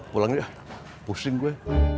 pulang ya pusing gue